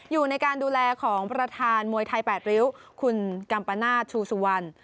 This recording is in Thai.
อยู่ในการดูแลของประธานมวยไทย๘ริ้วคุณกัมปนาศชูสุวรรณ